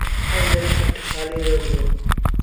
ائيٚݩ جڏهيݩ اَٺ سآليٚݩ رو ٿيو۔